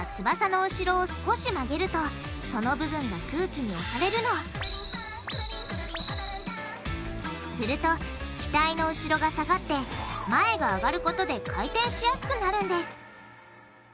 翼の後ろを少し曲げるとその部分が空気に押されるのすると機体の後ろが下がって前が上がることで回転しやすくなるんです。